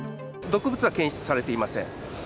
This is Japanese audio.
毒物は検出されていません。